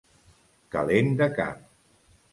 Calent de cap.